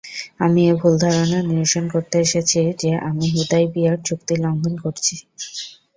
আমি এ ভুল ধারণা নিরসন করতে এসেছি যে, আমি হুদায়বিয়ার চুক্তি লঙ্গন করিছি।